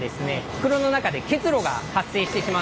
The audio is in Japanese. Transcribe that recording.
袋の中で結露が発生してしまうんですね。